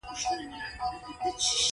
ویل کیږي لومړنی پښتو حماسي شعر ده ویلی.